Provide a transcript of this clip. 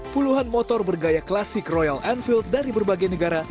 puluhan motor bergaya klasik royal enfield dari berbagai negara